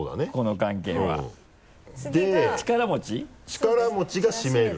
力持ちが閉める。